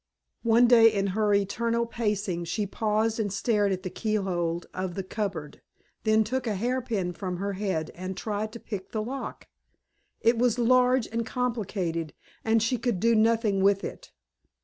One day in her eternal pacing she paused and stared at the keyhole of the cupboard, then took a hairpin from her head and tried to pick the lock. It was large and complicated and she could do nothing with it.